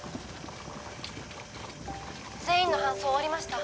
全員の搬送終わりました